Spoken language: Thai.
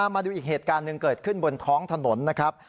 มาดูอีกเหตุการณ์หนึ่งเกิดขึ้นบนท้องถนนนะครับ